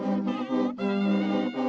pertama suara dari biasusu